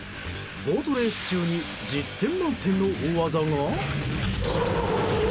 ボートレース中に１０点満点の大技が？